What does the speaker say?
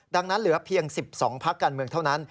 ดังนั้นเหลือเพียง๑๒พักการเมืองเท่านั้น